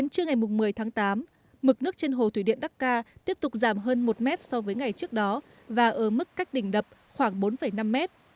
sáng tám mực nước trên hồ thủy điện đắc ca tiếp tục giảm hơn một mét so với ngày trước đó và ở mức cách đỉnh đập khoảng bốn năm mét